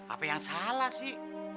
apa yang salah sih